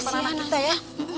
masih sama anak kita ya